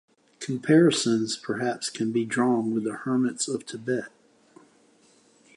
Comparisons perhaps can be drawn with the hermits of Tibet.